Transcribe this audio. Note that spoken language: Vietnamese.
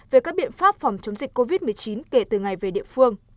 về các biện pháp phòng chống dịch covid một mươi chín kể từ ngày về địa phương